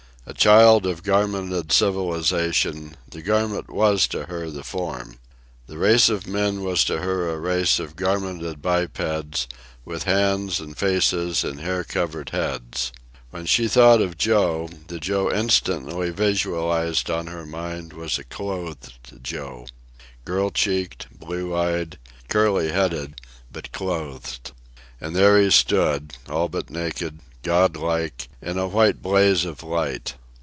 A child of garmented civilization, the garment was to her the form. The race of men was to her a race of garmented bipeds, with hands and faces and hair covered heads. When she thought of Joe, the Joe instantly visualized on her mind was a clothed Joe girl cheeked, blue eyed, curly headed, but clothed. And there he stood, all but naked, godlike, in a white blaze of light.